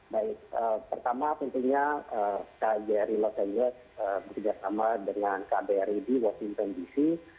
baik pertama tentunya kjri los angeles bekerjasama dengan kbri di washington dc